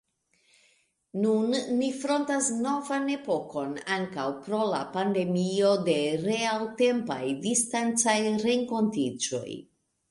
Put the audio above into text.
Nun ni frontas novan epokon, ankaŭ pro la pandemio, de realtempaj, distancaj renkontiĝoj.